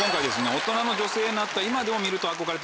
大人の女性になった今でも。